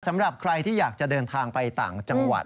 สำหรับใครที่อยากจะเดินทางไปต่างจังหวัด